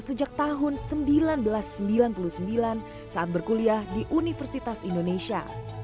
sejak tahun seribu sembilan ratus sembilan puluh sembilan saat berkuliah di universitas indonesia